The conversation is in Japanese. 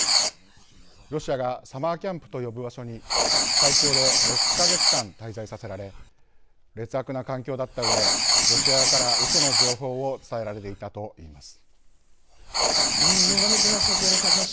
ロシアがサマーキャンプと呼ぶ場所に最長で６か月間滞在させられ劣悪な環境だったうえロシア側から、うその情報を伝えられていたと言います。